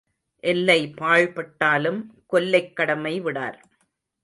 எல்லை பாழ்பட்டாலும் கொல்லைக் கடமை விடார்.